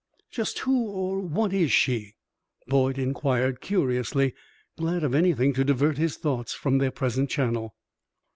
"Just who or what is she?" Boyd inquired, curiously, glad of anything to divert his thoughts from their present channel.